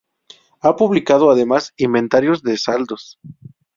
Ha publicado, además, "Inventario de saldos.